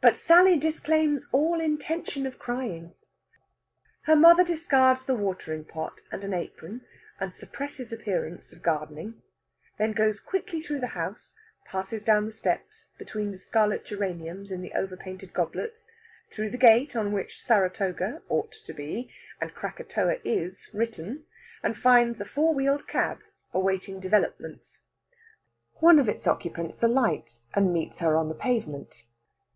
But Sally disclaims all intention of crying. Her mother discards the watering pot and an apron, and suppresses appearances of gardening; then goes quickly through the house, passes down the steps between the scarlet geraniums in the over painted goblets, through the gate on which Saratoga ought to be, and Krakatoa is, written, and finds a four wheeled cab awaiting developments. One of its occupants alights and meets her on the pavement.